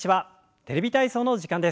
「テレビ体操」の時間です。